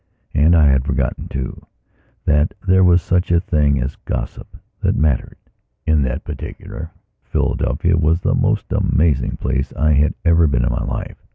And I had forgotten, too, that there was such a thing as gossip that mattered. In that particular, Philadelphia was the most amazing place I have ever been in in my life.